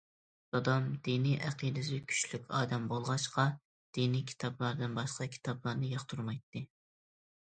دادام دىنىي ئەقىدىسى كۈچلۈك ئادەم بولغاچقا، دىنىي كىتابلاردىن باشقا كىتابلارنى ياقتۇرمايتتى.